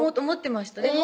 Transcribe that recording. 思ってました